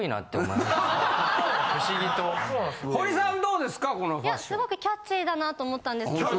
いやすごくキャッチーだなと思ったんですけど。